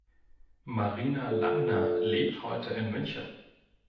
Marina Langner lebt heute in München.